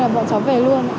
bọn cháu về luôn